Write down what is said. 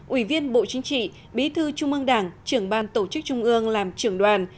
ủy viên bộ chính trị bí thư trung ương đảng trưởng ban tổ chức trung ương làm trưởng đoàn